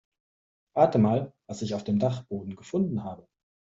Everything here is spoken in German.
Rate mal, was ich auf dem Dachboden gefunden habe.